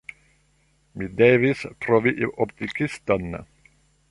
Mi devis trovi optikiston.